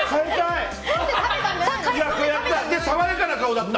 爽やかな顔だった。